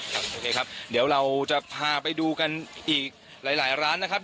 โอเคครับเดี๋ยวเราจะพาไปดูกันอีกหลายร้านนะครับ